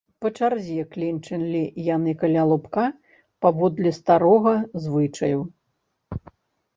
Па чарзе кленчылі яны каля лубка, паводле старога звычаю.